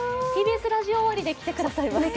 ＴＢＳラジオ終わりで来ていただきます。